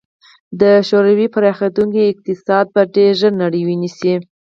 د شوروي پراخېدونکی اقتصاد به ډېر ژر نړۍ ونیسي.